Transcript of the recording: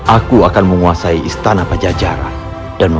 aku akan menguasai istana pejajaran dan